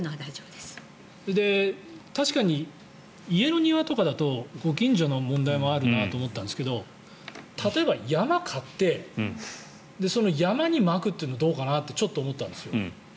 で、確かに家の庭とかだとご近所の問題もあるなと思ったんですけど例えば山を買ってその山にまくというのはどうかなとちょっと思ったんですよ。